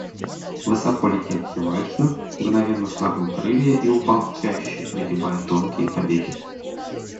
Высоко летевший вальдшнеп мгновенно сложил крылья и упал в чащу, пригибая тонкие побеги.